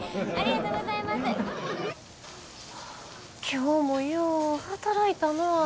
今日もよう働いたな。